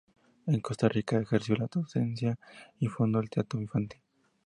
En Costa Rica ejerció la docencia y fundó el Teatro Infantil.